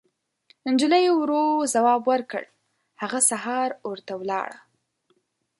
نجلۍ ورو ځواب ورکړ: هغه سهار اور ته ولاړه.